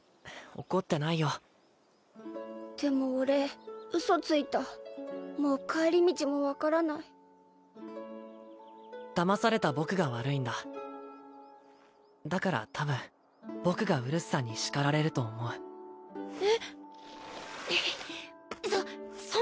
怒ってないよでも俺ウソついたもう帰り道も分からないだまされた僕が悪いんだだから多分僕がウルスさんに叱られると思うえっそ